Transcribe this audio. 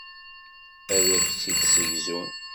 Ad ak-tt-id-ssegzun.